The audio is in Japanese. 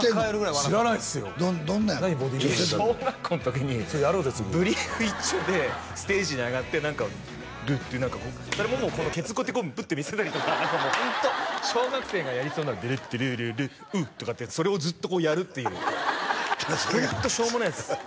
いや小学校の時にブリーフ一丁でステージに上がって何かそれももうケツこうやってプッて見せたりとかもうホント小学生がやりそうな「ドゥルッルルルルウッ」とかってそれをずっとやるっていうホントしょうもないっす